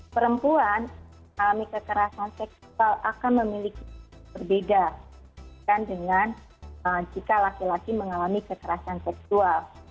perempuan mengalami kekerasan seksual akan memiliki berbeda dengan jika laki laki mengalami kekerasan seksual